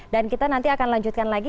dan kita nanti akan lanjutkan lagi